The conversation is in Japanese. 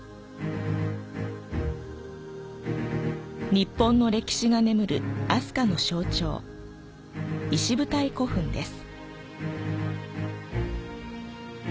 日本の歴史が眠る飛鳥の象徴、石舞台古墳です。